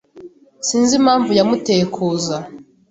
Sinzi impamvu yamuteye kuza.